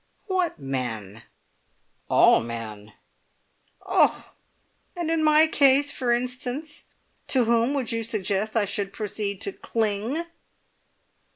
"What men?" "All men!" "Oh! And in my case, for instance, to whom would you suggest I should proceed to cling?"